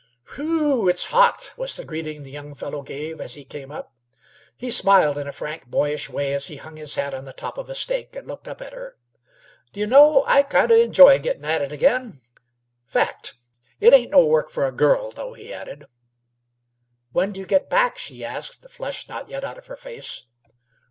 "Phew! it's hot!" was the greeting the young fellow gave as he came up. He smiled in a frank, boyish way, as he hung his hat on the top of a stake and looked up at her. "D' y' know, I kind o' enjoy gettin' at it again? Fact. It ain't no work for a girl, though," he added. "When 'd you get back?" she asked, the flush not yet out of her face.